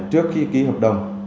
trước khi ký hợp đồng